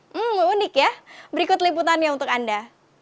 hmm unik ya berikut liputannya untuk anda